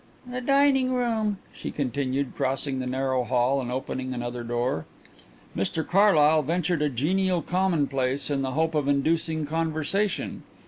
"The dining room," she continued, crossing the narrow hall and opening another door. Mr Carlyle ventured a genial commonplace in the hope of inducing conversation.